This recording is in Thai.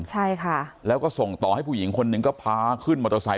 ใช่ค่ะแล้วก็ส่งต่อให้ผู้หญิงคนหนึ่งก็พาขึ้นมอเตอร์ไซค